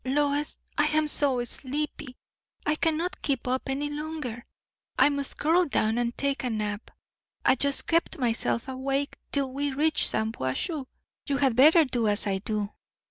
Lois, I am so sleepy, I can not keep up any longer. I must curl down and take a nap. I just kept myself awake till we reached Shampuashuh. You had better do as I do.